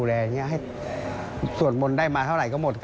คุณผู้ชมฟังเสียงเจ้าอาวาสกันหน่อยค่ะ